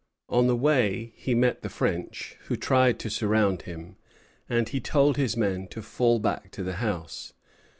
On the way he met the French, who tried to surround him; and he told his men to fall back to the house.